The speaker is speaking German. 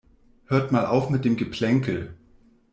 Hört mal auf mit dem Geplänkel.